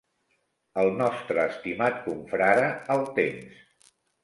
El nostre estimat confrare "El Temps".